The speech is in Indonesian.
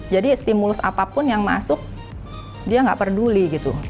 jadi stimulus apapun yang masuk dia nggak peduli